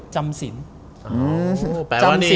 อเจมส์ครับ